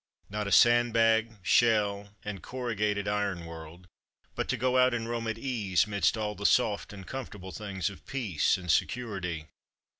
Not a sand bag, shell, and corru gated iron world, but to go out and roam at ease 'midst all the soft and comfortable things of peace and security.